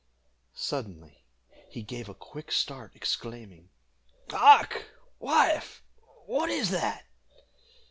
Suddenly he gave a quick start, exclaiming "Hark! wife; what is that?"